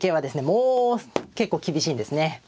もう結構厳しいんですね。